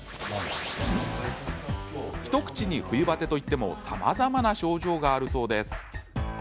一口に冬バテといってもさまざまな症状があるそうです。